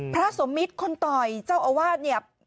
พระสมมิตรคนต่อยเจ้าอาวาสเนี่ย